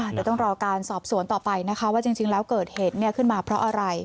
เดี๋ยวต้องรอการสอบสวนต่อไปนะคะว่าจริงแล้วเกิดเหตุขึ้นมาเพราะอะไร